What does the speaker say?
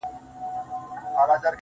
که دا دنیا او که د هغي دنیا حال ته ګورم.